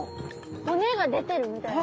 骨が出てるみたいな。